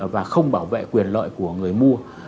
và không bảo vệ quyền lợi của người mua